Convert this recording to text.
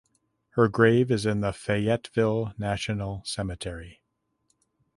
Her grave is in the Fayetteville National Cemetery.